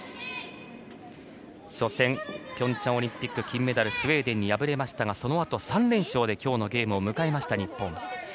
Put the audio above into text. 初戦はピョンチャンオリンピック金メダルのスウェーデンに敗れましたがそのあと３連勝で今日のゲームを迎えました日本。